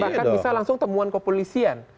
bahkan bisa langsung temuan kepolisian